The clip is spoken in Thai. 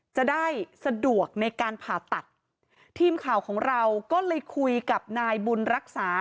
จะได้สะดวกในการผ่าตัดทีมข่าวของเราก็เลยคุยกับนายบุญรักษา